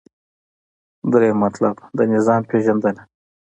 دریم مطلب : د نظام پیژندنه